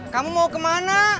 kamu mau kemana